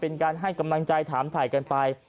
เป็นการให้กำลังใจถามถ่ายกันไป